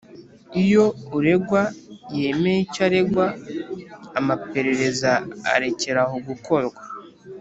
Iyo uregwa yemeye icyo aregwa amaperereza arekeraho gukorwa